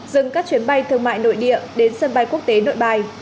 dừng các chuyến bay thương mại nội địa đến sân bay quốc tế nội bài